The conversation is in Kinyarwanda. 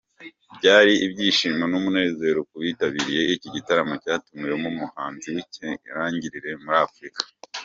Byari ibyishimo n'umunezero ku bitabiriye iki gitaramo cyatumiwemo umuhanzi w'ikirangirire muri Afrika.